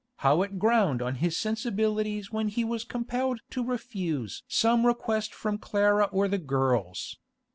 How it ground on his sensibilities when he was compelled to refuse some request from Clara or the girls!